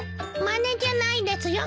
まねじゃないですよ。